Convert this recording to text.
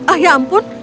oh ya ampun